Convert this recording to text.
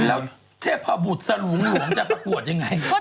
แล้วเทพบุตรสลุงหลวงจะประกวดอย่างไรครับ